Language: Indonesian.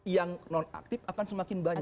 yang nonaktif akan semakin banyak